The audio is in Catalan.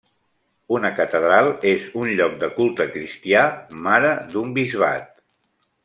Una catedral és un lloc de culte cristià mare d'un bisbat.